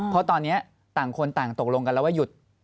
เพราะตอนนี้ต่างคนต่างตกลงกันแล้วว่าหยุด